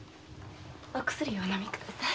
お薬をお飲みください。